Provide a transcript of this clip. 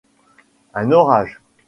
Un orage !